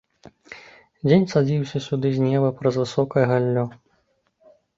Дзень цадзіўся сюды з неба праз высокае галлё.